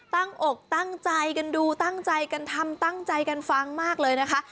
อกตั้งใจกันดูตั้งใจกันทำตั้งใจกันฟังมากเลยนะคะ